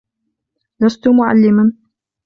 لست معلماً.